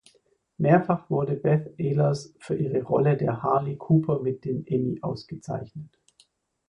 Mehrfach wurde Beth Ehlers für ihre Rolle der "Harley Cooper" mit den Emmy ausgezeichnet.